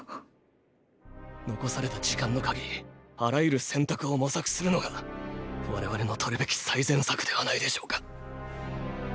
残された時間の限りあらゆる選択を模索するのが我々の取るべき最善策ではないでしょうか？